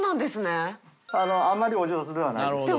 あまりお上手ではないです。